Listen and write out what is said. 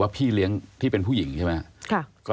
พี่เลี้ยงที่เป็นผู้หญิงใช่ไหมครับ